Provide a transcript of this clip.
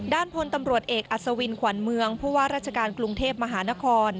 พลตำรวจเอกอัศวินขวัญเมืองผู้ว่าราชการกรุงเทพมหานคร